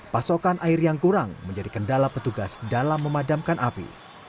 pasokan air yang kurang menjadi kendala petugas dalam memadamkan api